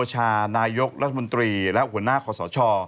ชานายกรัฐมนตรีและหัวหน้าขอสช